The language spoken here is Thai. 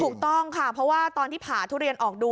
ถูกต้องค่ะเพราะว่าตอนที่ผ่าทุเรียนออกดู